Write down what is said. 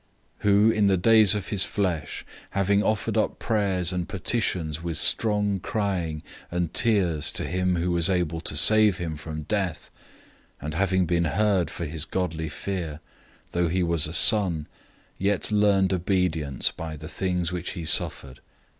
"{Psalm 110:4} 005:007 He, in the days of his flesh, having offered up prayers and petitions with strong crying and tears to him who was able to save him from death, and having been heard for his godly fear, 005:008 though he was a Son, yet learned obedience by the things which he suffered.